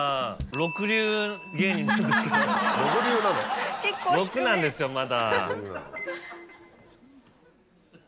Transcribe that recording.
六なんですよまだ。